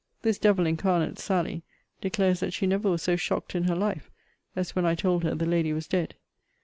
This devil incarnate, Sally, declares that she never was so shocked in her life, as when I told her the lady was dead.